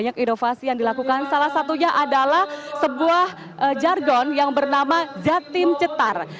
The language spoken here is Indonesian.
keputusan gubernur jawa timur